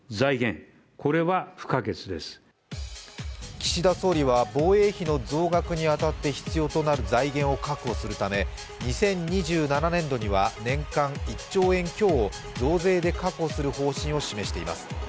岸田総理は防衛費の増額に当たって、必要となる財源を確保するため２０２７年度には年間１兆円強を増税で確保する方針を示しています。